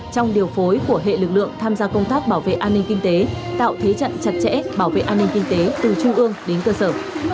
trong điều phối của hệ lực lượng tham gia công tác bảo vệ an ninh kinh tế tạo thế trận chặt chẽ bảo vệ an ninh kinh tế từ trung ương đến cơ sở